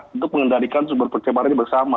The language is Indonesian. untuk mengendarikan sumber pencemarannya bersama